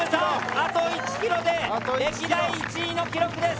あと１ｋｍで歴代１位の記録です。